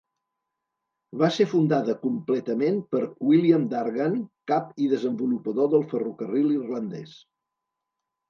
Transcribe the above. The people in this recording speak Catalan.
Va ser fundada completament per William Dargan, cap i desenvolupador del Ferrocarril irlandès.